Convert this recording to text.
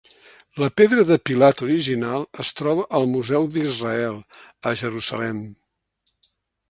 La pedra de Pilat original es troba al Museu d'Israel, a Jerusalem.